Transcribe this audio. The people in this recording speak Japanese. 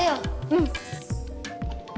うん！